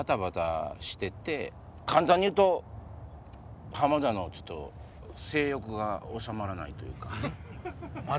簡単に言うと浜田の性欲が収まらないというか。